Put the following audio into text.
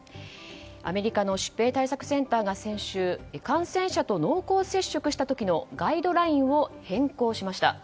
アメリカの疾病対策センターが先週感染者と濃厚接触した時のガイドラインを変更しました。